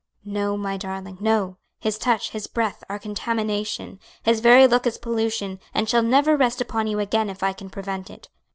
"No, my darling, no; his touch, his breath, are contamination; his very look is pollution, and shall never rest upon you again if I can prevent it.